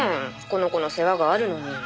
この子の世話があるのに。